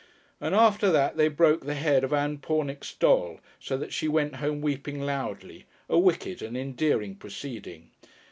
And after that they broke the head of Ann Pornick's doll, so that she went home weeping loudly a wicked and endearing proceeding.